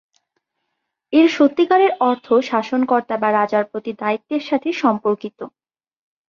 এর সত্যিকারের অর্থ শাসনকর্তা বা রাজার প্রতি দায়িত্বের সাথে সম্পর্কিত।